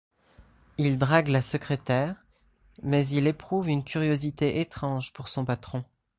Il drague la secrétaire, mais il éprouve une curiosité étrange pour son patron.